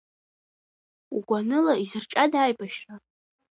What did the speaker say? Угәаныла изырҿиада аибашьра?